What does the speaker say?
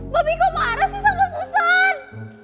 babi kok marah sih sama susan